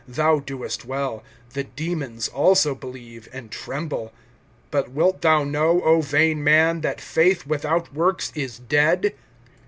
Thou doest well; the demons also believe, and tremble. (20)But wilt thou know, O vain man, that faith without works is dead?